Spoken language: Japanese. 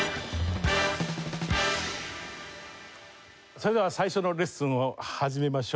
それでは最初のレッスンを始めましょう。